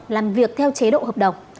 làm việc theo chế độ hợp đồng